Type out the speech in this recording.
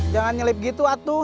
jangan nyelip gitu atuh